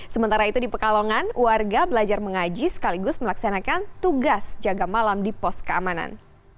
sementara itu di pekalongan warga belajar mengaji sekaligus melaksanakan tugas jaga malam di pos keamanan